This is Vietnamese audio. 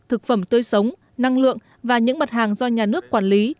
thực phẩm tươi sống năng lượng và những mặt hàng do nhà nước quản lý